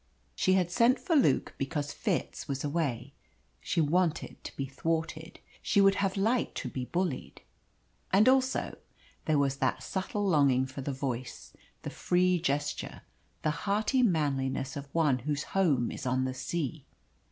She had sent for Luke because Fitz was away. She wanted to be thwarted. She would have liked to be bullied. And also there was that subtle longing for the voice, the free gesture, the hearty manliness of one whose home is on the sea.